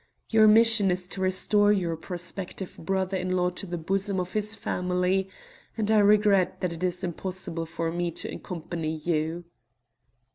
Your mission is to restore your prospective brother in law to the bosom of his family, and I regret that it is impossible for me to accompany you."